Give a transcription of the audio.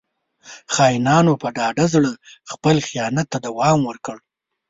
• خاینانو په ډاډه زړه خپل خیانت ته دوام ورکړ.